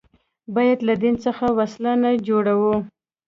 باید له دین څخه وسله نه جوړوي